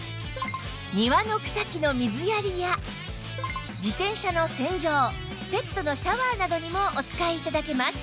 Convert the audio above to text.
庭の草木の水やりや自転車の洗浄ペットのシャワーなどにもお使い頂けます